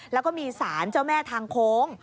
แล้วก็มีสารเจ้าแม่ทางโค้ง